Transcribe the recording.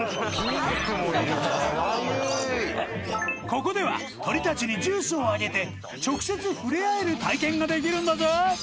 ここでは鳥たちにジュースをあげて直接触れ合える体験ができるんだぜ！